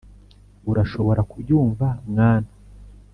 urashobora kubyumva mwana